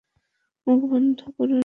মুখ বন্ধ করুন।